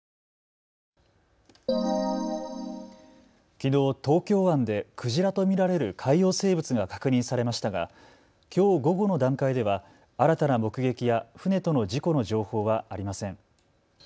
きのう東京湾でクジラと見られる海洋生物が確認されましたがきょう午後の段階では新たな目撃や船との事故の情報はありません。